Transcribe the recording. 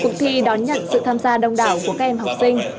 cuộc thi đón nhận sự tham gia đông đảo của các em học sinh